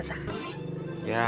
ya subrima gak ngerti pak